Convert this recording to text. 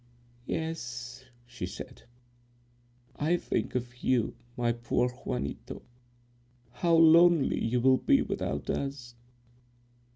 "Yes," she said, "I think of you, my poor Juanito; how lonely you will be without us."